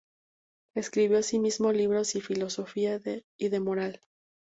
Escribió así mismo libros de filosofía y de moral.